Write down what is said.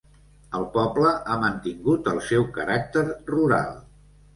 El poble ha mantingut el seu caràcter rural.